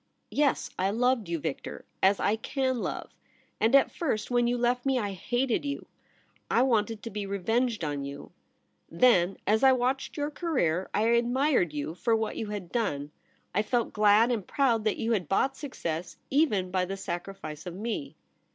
Yes, I loved you, Victor — as I ca7i love ; and at first, when you left me, I hated you. I wanted to be revenged on you. Then, as I watched your career, I admired you for what you had done. I felt glad and proud that you had bought success even by the sacrifice of me.